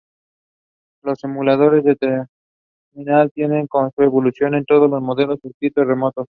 Los "emuladores de terminal" tienen su evolución en los modernos escritorios remotos.